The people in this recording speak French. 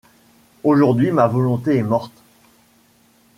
Aujourd’hui ma volonté est morte.